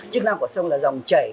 chức năng của sông là dòng chảy